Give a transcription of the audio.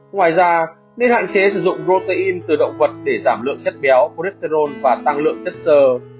ngoài ra nên hạn chế sử dụng protein từ động vật để giảm lượng chất kéo peterol và tăng lượng chất sơ